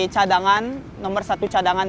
cadangan nomor satu cadangan